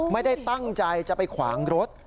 ไม่ได้ตั้งใจจะไปขวางรถ